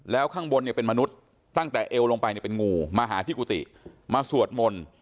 แล้วข้างบนเนี่ยเป็นมนุษย์ตั้งแต่เอวลงไปเนี่ยเป็นงูมาหาที่กุฏิมาสวดมนต์